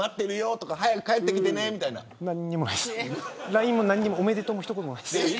ＬＩＮＥもおめでとうの一言もないです。